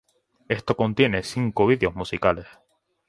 Esto contiene cinco videos musicales.